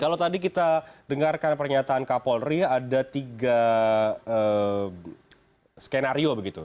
kalau tadi kita dengarkan pernyataan kapolri ada tiga skenario begitu